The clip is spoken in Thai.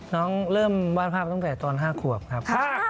เริ่มวาดภาพตั้งแต่ตอน๕ขวบครับ